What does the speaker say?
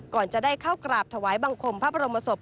ก่อนจะได้เข้ากราบถวายบังคมพระบรมศพ